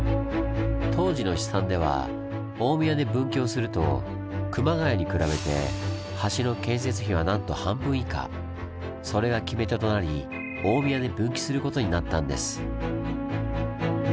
当時の試算では大宮で分岐をすると熊谷に比べてそれが決め手となり大宮で分岐することになったんです。